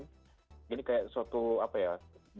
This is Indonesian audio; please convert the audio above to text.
trigger ini kan bayangkan nih kalau misalnya ada satu tempat